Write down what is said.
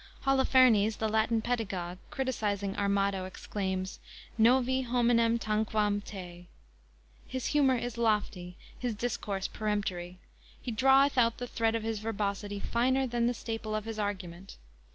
"_ Holofernes, the Latin pedagogue, criticising Armado, exclaims: Novi hominem tanquam te. His humor is lofty, his discourse peremptory. He draweth out the thread of his verbosity finer than the staple of his argument.